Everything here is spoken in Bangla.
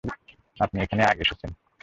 আপনি এখানে আগে এসেছেন।